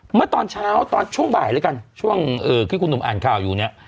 เมื่อตอนเช้าตอนช่วงบ่ายแล้วกันช่วงที่คุณหนุ่มอ่านข่าวอยู่เนี่ย